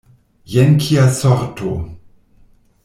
Jen kia sorto!